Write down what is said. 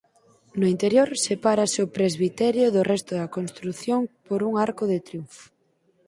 No interior sepárase o presbiterio do resto da construción por un arco de triunfo.